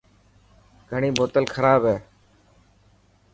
گھڻي بوتل کراب هي.